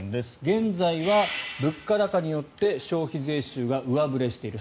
現在は物価高によって消費税収が上振れしている。